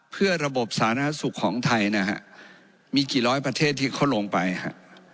เพื่อระบบสาธารณสุขของไทยนะฮะมีกี่ร้อยประเทศที่เขาลงไปฮะ